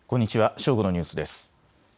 正午のニュースです。